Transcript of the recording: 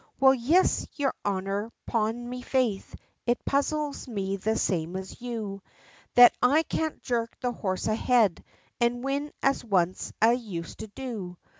"Well, yis, yer honor, 'pon me faith, it puzzles me the same as you, That I can't jerk the horse ahead, and win as once I used to do.